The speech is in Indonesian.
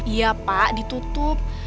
iya pak ditutup